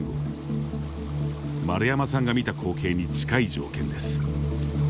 丸山さんが見た光景に近い条件です。